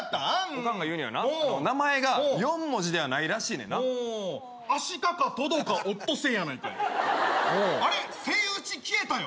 オカンが言うにはな名前が４文字ではないらしいねんなアシカかトドかオットセイやないかいあれセイウチ消えたよ